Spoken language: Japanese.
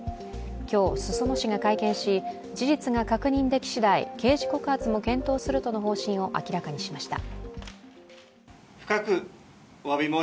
今日、裾野市が会見し事実が確認できしだい、刑事告発も検討するとの方針を明らかにしました。